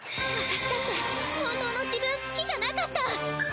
私だって本当の自分好きじゃなかった！